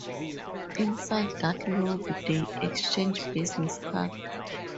Inside that lobby they exchanged business cards.